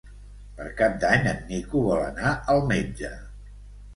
Per Cap d'Any en Nico vol anar al metge.